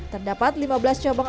terdapat lima belas cabang